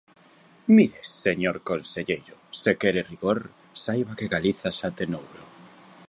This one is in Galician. Mire, señor conselleiro, se quere rigor saiba que Galiza xa ten ouro.